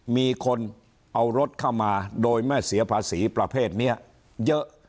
มีคนเอารถเข้ามาโดยไม่เสียภาษีประเภทนี้เยอะ